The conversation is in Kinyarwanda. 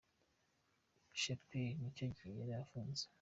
Shapeli yo icyo gihe yari ifunze.